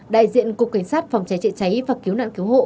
đại diện cục cảnh sát phòng cháy chữa cháy và cứu nạn cứu hộ